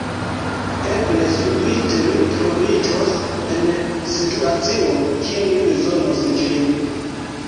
Eble subite, mi troviĝos en situacio, kie mi bezonos ĝin.